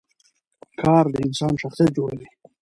کار د انسان شخصیت جوړوي